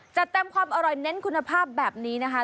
จะเต็มความอร่อยเน้นคุณภาพแบบนี้นะคะ